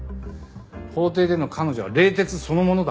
法廷での彼女は冷徹そのものだから。